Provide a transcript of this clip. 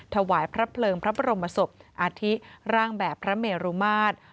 ถวายพระเพลิงพระบรมศพอาทิร่างแบบพระเมรุมาตร